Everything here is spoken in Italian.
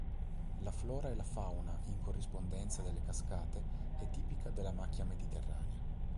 La flora e la fauna in corrispondenza delle cascate è tipica della macchia mediterranea.